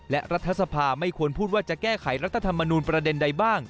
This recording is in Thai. และรัฐสภาไม่ควรพูดว่าจะแก้ไขรัฐธรรมนูลประเด็นใดบ้าง